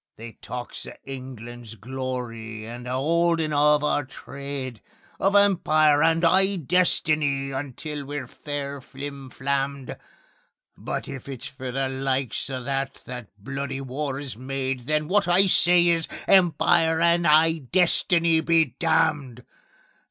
They talks o' England's glory and a 'oldin' of our trade, Of Empire and 'igh destiny until we're fair flim flammed; But if it's for the likes o' that that bloody war is made, Then wot I say is: Empire and 'igh destiny be damned!